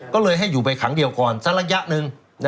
ก็เลยให้อยู่ไปขังเดียวก่อนสักระยะหนึ่ง